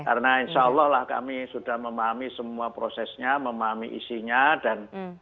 karena insyaallah kami sudah memahami semua prosesnya memahami isinya dan